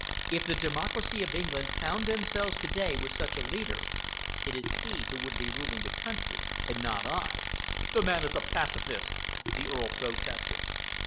If the democracy of England found themselves to day with such a leader, it is he who would be ruling the country, and not I." "The man is a pacifist!" the Earl protested.